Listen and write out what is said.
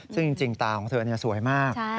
ซึ่งจริงตาของเธอสวยมาก